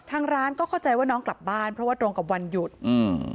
ทางร้านก็เข้าใจว่าน้องกลับบ้านเพราะว่าตรงกับวันหยุดอืม